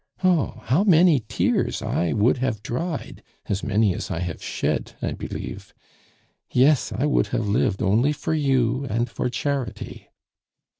Oh! how many tears I would have dried as many as I have shed I believe! Yes, I would have lived only for you and for charity.